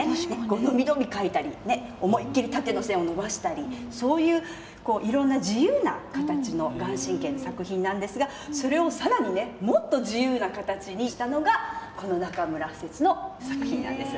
伸び伸び書いたり思いっきり縦の線を伸ばしたりそういういろんな自由な形の顔真の作品なんですがそれを更にねもっと自由な形にしたのがこの中村不折の作品なんです。